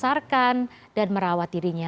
telah membesarkan dan merawat dirinya